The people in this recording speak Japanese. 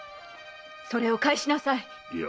それを返しなさい。